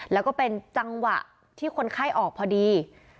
แล้วก็เป็นจังหวะที่คนไข้ออกพอดี